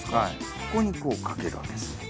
ここにこう掛けるわけです。